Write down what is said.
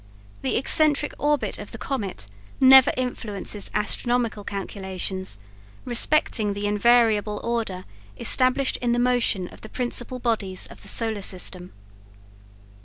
The eccentric orbit of the comet never influences astronomical calculations respecting the invariable order established in the motion of the principal bodies of the solar system.